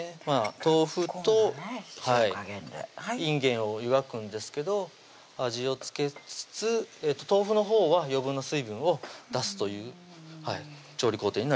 豆腐といんげんを湯がくんですけど味を付けつつ豆腐のほうは余分な水分を出すという調理工程になります